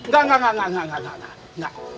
gak gak gak gak gak gak gak gak